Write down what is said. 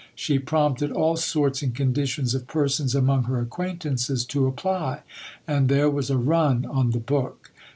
She prompted all sorts and conditions of persons among her acquaintances to apply, and there was a run on the book.